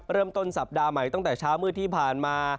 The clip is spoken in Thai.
เริ่มต้นสัปดาห์ใหม่ตั้งแต่เช้ามืดที่ผ่านมา